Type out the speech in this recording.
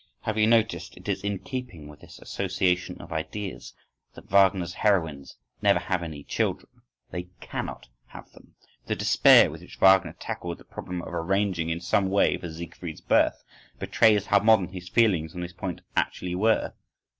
… Have you noticed (it is in keeping with this association of ideas) that Wagner's heroines never have any children?—They cannot have them.… The despair with which Wagner tackled the problem of arranging in some way for Siegfried's birth, betrays how modern his feelings on this point actually were.